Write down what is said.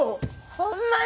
ほんまに？